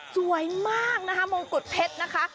สวยมากนะคะมงกุฎเพชรนะคะ